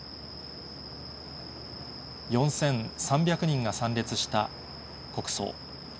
４３００人が参列した国葬。